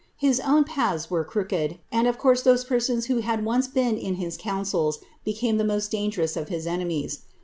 His own paths were crooked, and of course those persons who had once been in his conn ^ cils, became the most dangerous of his enemies.